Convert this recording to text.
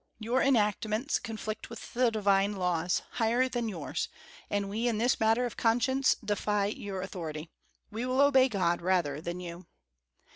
Your enactments conflict with the divine laws, higher than yours; and we, in this matter of conscience, defy your authority. We will obey God rather than you."